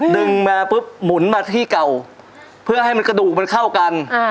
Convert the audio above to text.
ดึงมาปุ๊บหมุนมาที่เก่าเพื่อให้มันกระดูกมันเข้ากัน